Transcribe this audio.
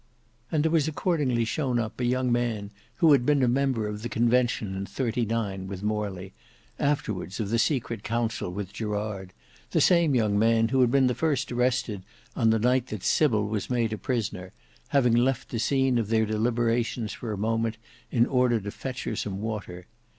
And there was accordingly shown up a young man who had been a member of the Convention in '39 with Morley, afterwards of the Secret Council with Gerard, the same young man who had been the first arrested on the night that Sybil was made a prisoner, having left the scene of their deliberations for a moment in order to fetch her some water.